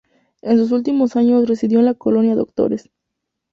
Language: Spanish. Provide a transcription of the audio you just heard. En sus últimos años residió en la Colonia Doctores.